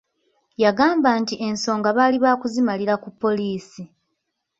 Yagamba nti ensonga baali baakuzimalira ku poliisi